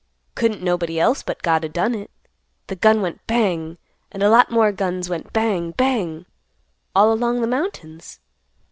Couldn't nobody else but God o' done it. The gun went bang, and a lot more guns went bang, bang, all along the mountains.